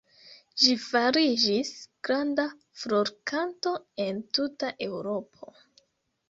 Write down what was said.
Ĝi fariĝis granda furorkanto en tuta Eŭropo.